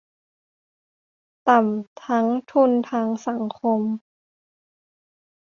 ต่ำทั้งทุนทางสังคม